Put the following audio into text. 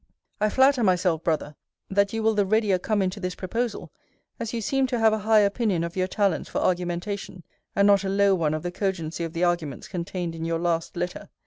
I flatter myself, Brother, that you will the readier come into this proposal, as you seem to have a high opinion of your talents for argumentation; and not a low one of the cogency of the arguments contained in your last letter.